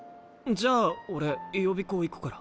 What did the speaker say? じゃあ俺予備校行くから。